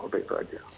udah itu aja